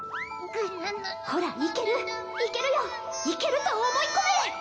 ぐぬぬぬぬほらいけるいけるよいけると思い込め！